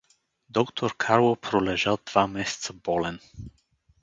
Доктор Карло пролежа два месеца болен.